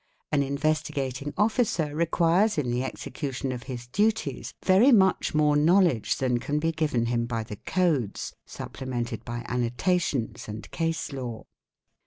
An Investi — gating Officer requires in the execution of his duties very much more — knowledge than can be given him by the Codes, supplemented by anno — tations and case law.